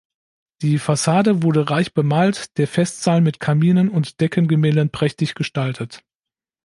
Die Fassade wurde reich bemalt, der Festsaal mit Kaminen und Deckengemälden prächtig gestaltet.